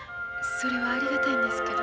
それはありがたいんですけど。